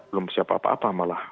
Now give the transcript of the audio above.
belum siapa apa apa malah